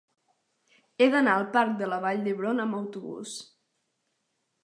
He d'anar al parc de la Vall d'Hebron amb autobús.